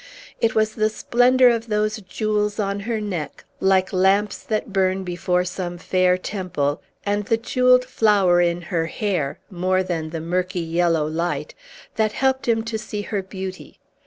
It was the splendor of those jewels on her neck, like lamps that burn before some fair temple, and the jewelled flower in her hair, more than the murky, yellow light, that helped him to see her beauty.